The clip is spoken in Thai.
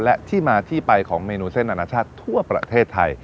และที่มาที่ไปของเมนูเส้นอนาชาติทั่วประเทศไทย